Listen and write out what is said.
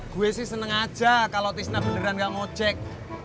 gue sih seneng aja kalo tisna beneran gak ngojek